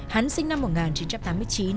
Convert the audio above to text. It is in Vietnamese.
hắn sinh năm một nghìn chín trăm tám mươi chín